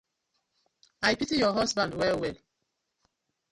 I pity yu husban well well.